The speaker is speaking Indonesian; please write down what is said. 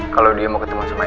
kalau dia mau ketemu sama irsa